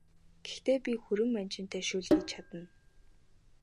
Гэхдээ би хүрэн манжинтай шөл хийж чадна!